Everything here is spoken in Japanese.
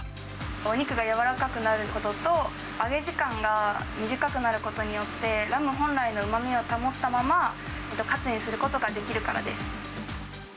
お肉が柔らかくなることと、揚げ時間が短くなることによって、ラム本来のうまみを保ったまま、カツにすることができるからです。